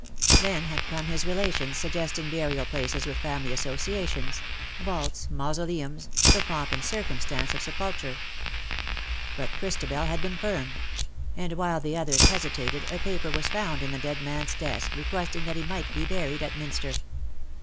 Then had come his relations, sug gesting burial places with family associations — vaults, mausoleums, the pomp and circumstance of sepul ture. But Christabel had been firm ; and while the others hesitated a paper was found in the dead man^s desk requesting that he might be buried at Minster.